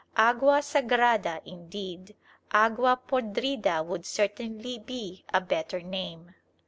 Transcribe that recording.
Agua Sagrada indeed! Agua podrida would certainly be a better name.